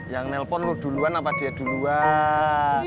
yang nelpon lu duluan apa dia duluan